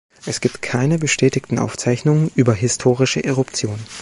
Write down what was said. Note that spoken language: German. Es gibt keine bestätigten Aufzeichnungen über historische Eruptionen.